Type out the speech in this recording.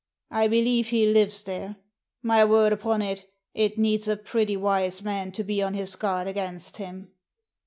I believe he lives there. My word upon it, it needs a pretty wise man to be on his guard against him."